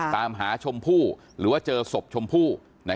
ตามหาชมพู่หรือว่าเจอศพชมพู่